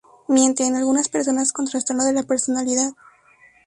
Mienten, algunas personas con trastorno de la personalidad.